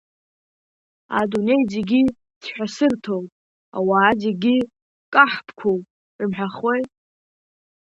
Адунеи зегьы цәқәасырҭоуп, ауаа зегьы каҳԥқәоуп рымҳәахуеи.